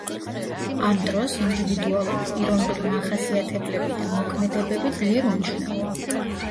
ამ დროს ინდივიდუალური პიროვნული მახასიათებლები და მოქმედებები ძლიერ უმნიშვნელოა.